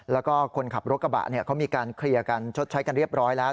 แล้วก็คนขับรถกระบะเขามีการเคลียร์กันชดใช้กันเรียบร้อยแล้ว